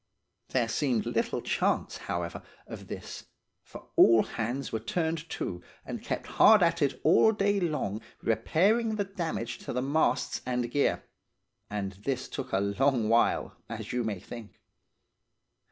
"'There seemed little chance, however, of this, for all hands were turned to and kept hard at it all day long repairing the damage to the masts and gear; and this took a long while, as you may think.